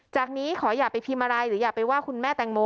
นี้ขออย่าไปพิมพ์อะไรหรืออย่าไปว่าคุณแม่แตงโม